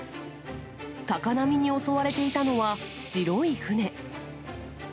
高波に襲われていたのは白い船。